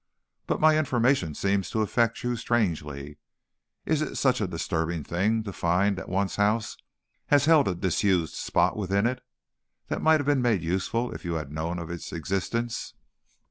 But my information seems to affect you strangely. Is it such a disturbing thing to find that one's house has held a disused spot within it, that might have been made useful if you had known of its existence?"